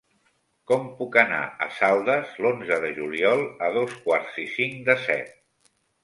Com puc anar a Saldes l'onze de juliol a dos quarts i cinc de set?